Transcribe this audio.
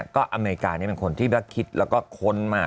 ก็อเมริกานี่เป็นคนที่คิดแล้วก็ค้นมา